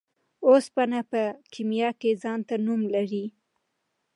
اوسپنه په کيميا کي ځانته نوم لري .